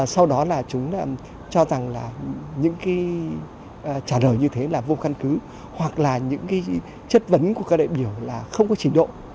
sau đó là chúng cho rằng là những cái trả lời như thế là vô căn cứ hoặc là những cái chất vấn của các đại biểu là không có trình độ